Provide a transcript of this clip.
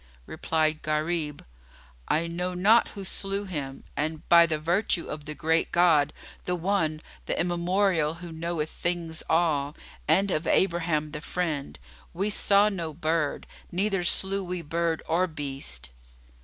Replied Gharib, "I know not who slew him; and, by the virtue of the Great God, the One, the Immemorial who knoweth things all, and of Abraham the Friend, we saw no bird, neither slew we bird or beast!"